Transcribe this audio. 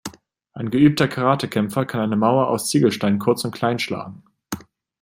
Ein geübter Karatekämpfer kann eine Mauer aus Ziegelsteinen kurz und klein schlagen.